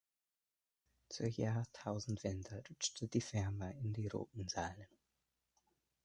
Zur Jahrtausendwende rutschte die Firma in die roten Zahlen.